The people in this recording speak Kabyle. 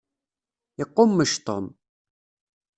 Iqummec Tom.